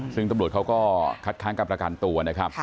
ซึ่งตำรวจเขาก็คัดค้างการประกันตัวนะครับ